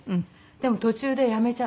でも途中でやめちゃう。